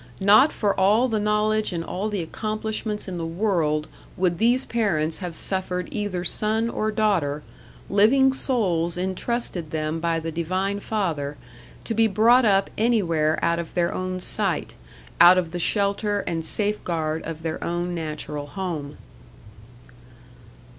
Not for all the knowledge and all the accomplishments in the world would these parents have suffered either son or daughter living souls intrusted them by the Divine Father to be brought up anywhere out of their own sight, out of the shelter and safeguard of their own natural home.